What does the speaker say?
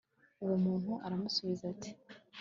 uwo muntu aramusubiza ati